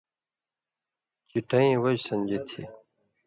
چِٹئیں وجہۡ سَن٘دُژیۡ تھی